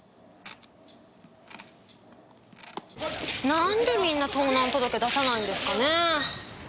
何でみんな盗難届出さないんですかねぇ？